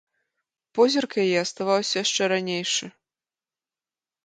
Позірк яе аставаўся яшчэ ранейшы.